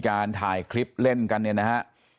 การถ่ายคลิปเล่นกันเนี่ยนะฮะ